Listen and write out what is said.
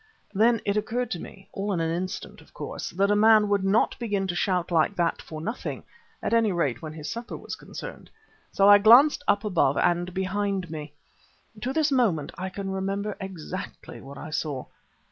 Then it occurred to me, all in an instant of course, that a man would not begin to shout like that for nothing; at any rate when his supper was concerned. So I glanced up above and behind me. To this moment I can remember exactly what I saw.